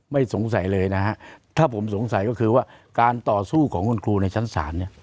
สงสัยเลยนะฮะถ้าผมสงสัยก็คือว่าการต่อสู้ของคุณครูในชั้นศาลเนี่ย